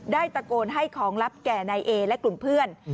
ตะโกนให้ของลับแก่นายเอและกลุ่มเพื่อน